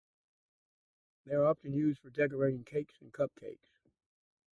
They are often used for decorating cakes and cupcakes.